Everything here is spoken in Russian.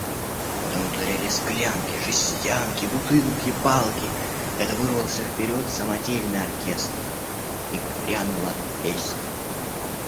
Потом ударили склянки, жестянки, бутылки, палки – это вырвался вперед самодельный оркестр, и грянула песня.